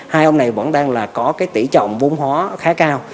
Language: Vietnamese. hai ông này vẫn đang là có cái tỷ trọng vốn hóa khá cao